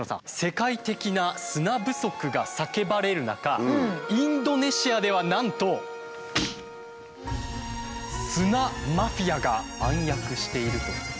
世界的な砂不足が叫ばれる中インドネシアではなんと砂マフィアが暗躍しているという。